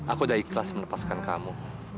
aku udah ikhlas melepaskan kamu